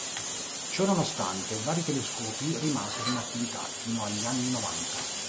Ciò nonostante, vari telescopi rimasero in attività fino agli anni Novanta.